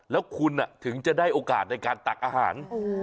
แล้วคุณถึงจะได้โอกาสในการตักอาหาร